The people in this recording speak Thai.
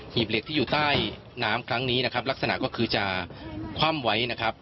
ีบเหล็กที่อยู่ใต้น้ำครั้งนี้นะครับลักษณะก็คือจะคว่ำไว้นะครับ